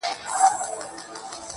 • لاس يې د ټولو کايناتو آزاد، مړ دي سم.